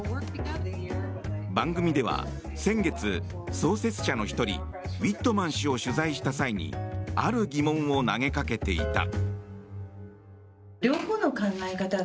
番組では先月、創設者の１人ウィットマン氏を取材した際にある疑問を投げかけていた。